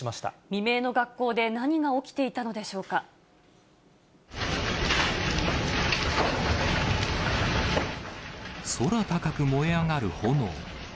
未明の学校で何が起きていた空高く燃え上がる炎。